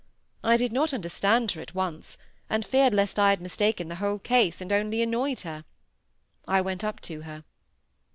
I did not understand her at once, and feared lest I had mistaken the whole case, and only annoyed her. I went up to her.